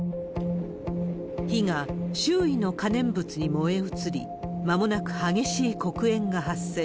火が周囲の可燃物に燃え移り、まもなく激しい黒煙が発生。